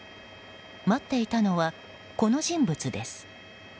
待っていたのは、この人物です。